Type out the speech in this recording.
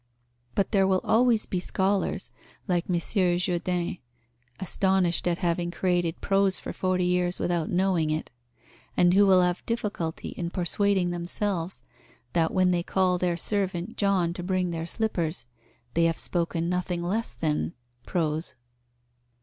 But there will always be scholars like Monsieur Jourdain, astonished at having created prose for forty years without knowing it, and who will have difficulty in persuading themselves that when they call their servant John to bring their slippers, they have spoken nothing less than prose.